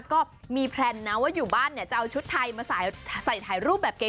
ก็มีแพลนนะว่าอยู่บ้านเนี่ยจะเอาชุดไทยมาใส่ถ่ายรูปแบบเก๋